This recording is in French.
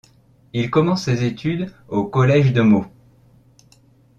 Il commence ses études au collège de Meaux.